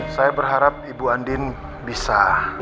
saya berharap ibu andin bisa